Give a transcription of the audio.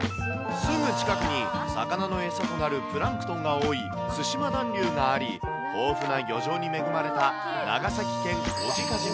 すぐ近くに魚の餌となるプランクトンが多い対馬暖流があり、豊富な漁場に恵まれた長崎県小値賀島。